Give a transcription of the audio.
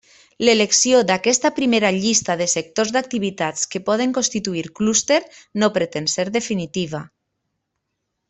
L'elecció d'aquesta primera llista de sectors d'activitats que poden constituir clúster no pretén ser definitiva.